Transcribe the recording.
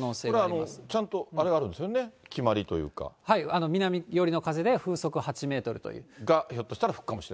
これ、ちゃんとあれがあるんですよね、南寄りの風で、が、ひょっとしたら吹くかもしれない。